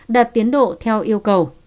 đặt tiến độ theo yêu cầu